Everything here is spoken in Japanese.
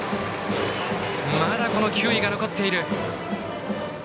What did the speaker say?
まだ球威が残っている。